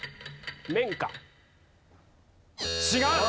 違う。